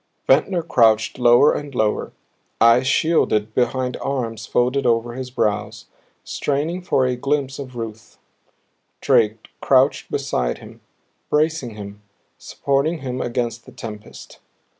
Ventnor crouched lower and lower, eyes shielded behind arms folded over his brows, straining for a glimpse of Ruth; Drake crouched beside him, bracing him, supporting him against the tempest.